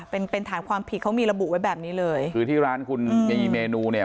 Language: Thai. เป็นเป็นฐานความผิดเขามีระบุไว้แบบนี้เลยคือที่ร้านคุณมีเมนูเนี่ย